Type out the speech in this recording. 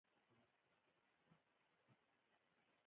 اهیمسا یا عدم تشدد د دوی میراث دی.